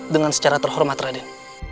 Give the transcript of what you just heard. dengan secara terhormat raden